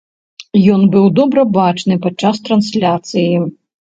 Ён быў добра бачны падчас трансляцыі.